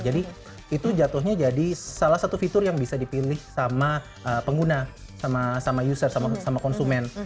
jadi itu jatuhnya jadi salah satu fitur yang bisa dipilih sama pengguna sama user sama konsumen